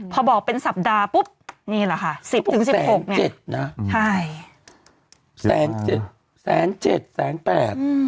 พอบอกเป็นสัปดาห์ปุ๊บนี่แหละค่ะ๑๐ถึง๑๖เนี่ย